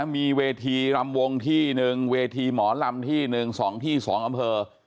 มีเวทีรำวงที่๑เวทีหมอลำที่๑๒ที่๒อำเภอ